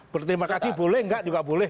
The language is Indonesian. berterima kasih boleh enggak juga boleh